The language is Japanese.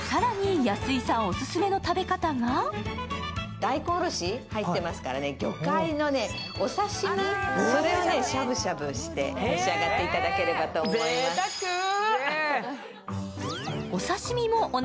大根おろし入っていますから魚介のお刺身をしゃぶしゃぶして召し上がってほしいと思います。